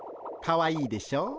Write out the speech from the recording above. かわいいでしょう？